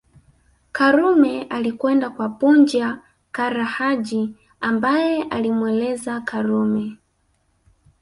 Karume alikwenda kwa Punja Kara Haji ambaye alimweleza Karume